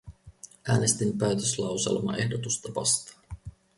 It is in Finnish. Äänestin päätöslauselmaehdotusta vastaan.